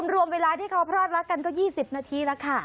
รวมเวลาที่เขาพรอดรักกันก็๒๐นาทีแล้วค่ะ